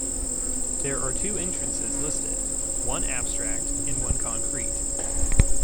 There are two entrances listed, one abstract and one concrete.